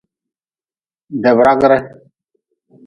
Debragre.